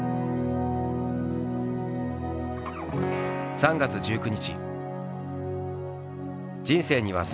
「３月１９日」